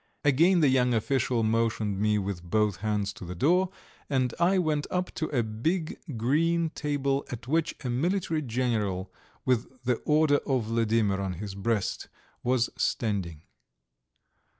Again the young official motioned me with both hands to the door, and I went up to a big green table at which a military general, with the Order of Vladimir on his breast, was standing.